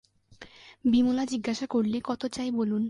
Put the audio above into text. বিমলা জিজ্ঞাসা করলে, কত চাই বলুন।